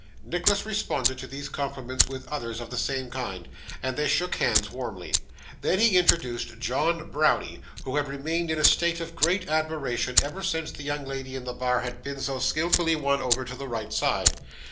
Nicholas responded to these compliments with others of the same kind, and they shook hands warmly. Then he introduced John Browdie, who had remained in a state of great admiration ever since the young lady in the bar had been so skilfully won over to the right side.